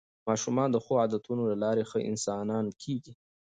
ماشومان د ښو عادتونو له لارې ښه انسانان کېږي